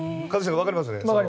分かります。